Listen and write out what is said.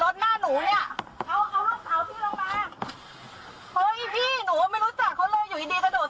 โอ้ย